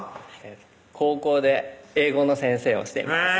高校で英語の先生をしてます